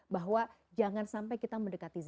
bahwa jangan sampai kita mendekati